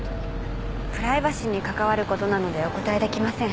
プライバシーに関わる事なのでお答えできません。